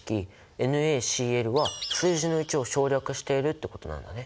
ＮａＣｌは数字の１を省略しているってことなんだね。